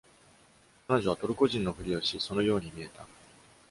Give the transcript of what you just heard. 彼女はトルコ人のふりをし、そのように見えた。